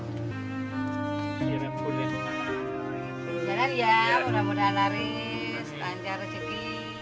jalan ya mudah mudahan lari selanjutnya rezeki